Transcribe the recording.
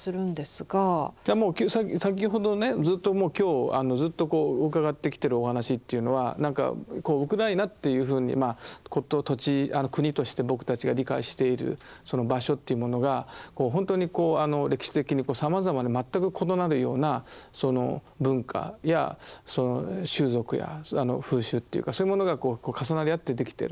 先ほどねずっともう今日伺ってきてるお話というのは何かウクライナっていうふうにまあ事土地国として僕たちが理解しているその場所というものがほんとにあの歴史的にさまざまな全く異なるような文化やその習俗や風習というかそういうものが重なり合ってできてる。